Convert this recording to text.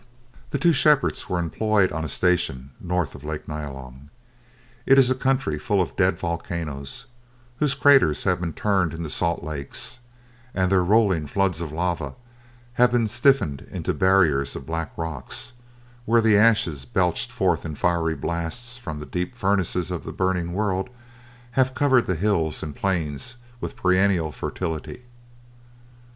The two shepherds were employed on a station north of Lake Nyalong. It is a country full of dead volcanoes, whose craters have been turned into salt lakes, and their rolling floods of lava have been stiffened into barriers of black rocks; where the ashes belched forth in fiery blasts from the deep furnaces of a burning world have covered the hills and plains with perennial fertility.